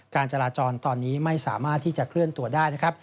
การจราจรตอนนี้ไม่สามารถที่จะเคลื่อนตัวได้นะครับ